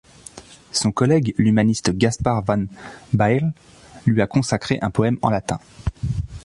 Son collègue, l'humaniste Gaspard van Baerle, lui a consacré un poème en latin.